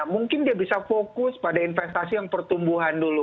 mungkin dia bisa fokus pada investasi yang pertumbuhan dulu